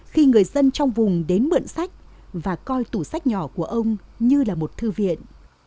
khi người dân trong vùng đến mượn sách và coi tủ sách nhỏ của ông như là một thư viện